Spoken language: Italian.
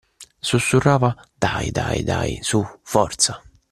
Sussurrava: >.